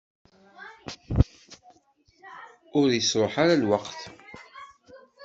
Ur yesruḥ ara lweqt.